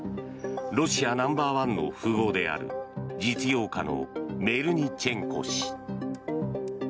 ロシアナンバーワンの富豪である実業家のメルニチェンコ氏。